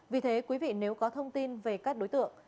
vì thế quý vị nếu có thông tin về các đối tượng